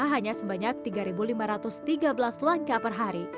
hanya sebanyak tiga lima ratus tiga belas langkah per hari